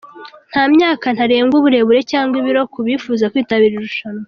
Nta myaka ntarengwa, uburebure cyangwa ibiro ku bifuza kwitabira iri rushanwa.